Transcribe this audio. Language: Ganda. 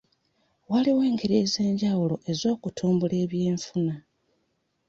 Waliwo engeri ez'enjawulo ez'okutumbula eby'enfuna.